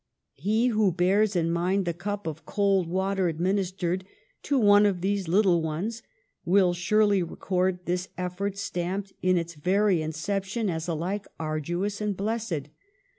He who bears in mind the cup of cold water administered to ' one of these little ones ' will surely record this effort, stamped in its very incep tion as alike arduous and blessed.